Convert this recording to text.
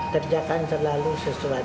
terjaga selama dua puluh tahun jangan berpikun